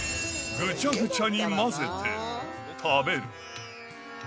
ぐちゃぐちゃに混ぜて食べる。